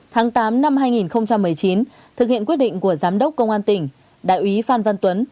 tháng tám năm hai nghìn một mươi chín thực hiện quyết định của giám đốc công an tỉnh đại úy phan văn tuấn